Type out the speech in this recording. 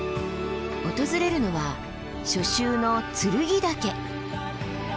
訪れるのは初秋の剱岳。